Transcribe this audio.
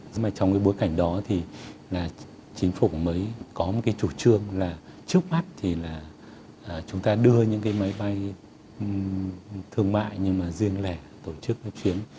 nhưng mà trong cái bối cảnh đó thì là chính phủ mới có một cái chủ trương là trước mắt thì là chúng ta đưa những cái máy bay thương mại nhưng mà riêng lẻ tổ chức cái chuyến